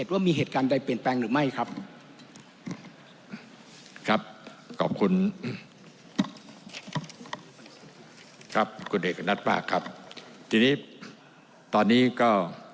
ว่ามีเหตุการณ์ใดเปลี่ยนแปลงหรือไม่ครับครับขอบคุณครับคุณเอกณัติภาคครับที่นี้ตอนนี้ก็